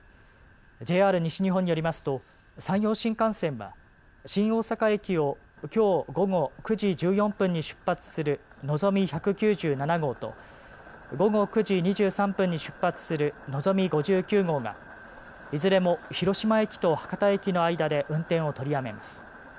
ＪＲ西日本によりますと山陽新幹線は新大阪駅をきょう午後９時１４分に出発するのぞみ１９７号と午後９時２３分に出発するのぞみ５９号がいずれも広島駅と博多駅の間で運転を取りやめます。